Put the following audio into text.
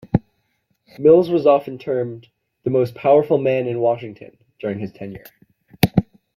Mills was often termed "the most powerful man in Washington" during his tenure.